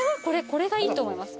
これがいいと思います